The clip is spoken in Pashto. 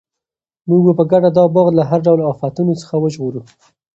موږ به په ګډه دا باغ له هر ډول آفتونو څخه وژغورو.